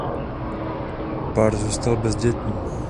Pár zůstal bezdětný.